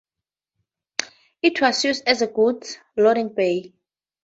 It was used as a goods loading bay.